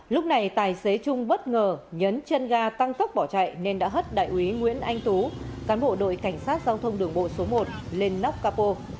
lúc này tài xế trung bất ngờ nhấn chân ga tăng tốc bỏ chạy nên đã hất đại úy nguyễn anh tú cán bộ đội cảnh sát giao thông đường bộ số một lên nóc capo